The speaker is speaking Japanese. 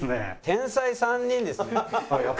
「天才３人ですね」。